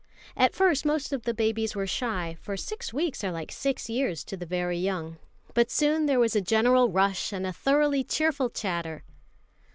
At first most of the babies were shy, for six weeks are like six years to the very young; but soon there was a general rush and a thoroughly cheerful chatter.